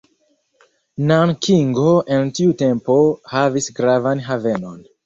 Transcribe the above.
Nankingo en tiu tempo havis gravan havenon.